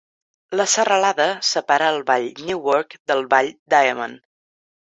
La serralada separa el vall Newark del vall Diamond.